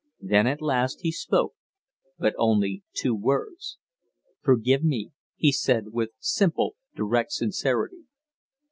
Then at last he spoke, but only two words. "Forgive me!" he said, with simple, direct sincerity.